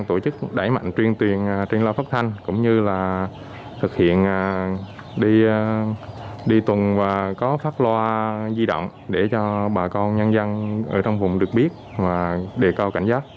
thủ đoạn tổ chức đẩy mạnh truyền lo phát thanh cũng như là thực hiện đi tuần và có phát loa di động để cho bà con nhân dân ở trong vùng được biết và đề cao cảnh giác